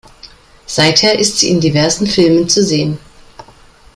Seither ist sie in diversen Filmen zu sehen.